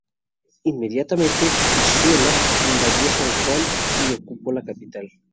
Inmediatamente, Brizuela invadió San Juan y ocupó la capital.